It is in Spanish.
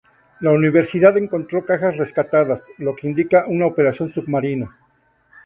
La universidad encontró cajas rescatadas, lo que indica una operación submarina.